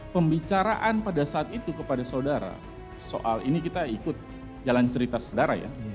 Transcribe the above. pembicaraan pada saat itu kepada saudara soal ini kita ikut jalan cerita saudara ya